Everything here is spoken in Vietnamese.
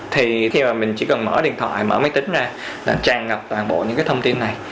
thì khi mà mình chỉ cần mở điện thoại mở máy tính ra là tràn ngập toàn bộ những cái thông tin này